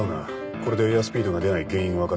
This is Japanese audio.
これでエアスピードが出ない原因は分かった。